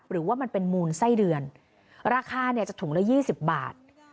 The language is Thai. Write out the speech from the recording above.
หรือว่ามันเป็นมูลไส้เดือนราคาเนี่ยจะถุงละ๒๐บาท